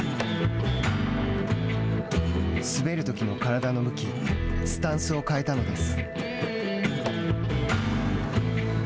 滑るときの体の向きスタンスを変えたのです。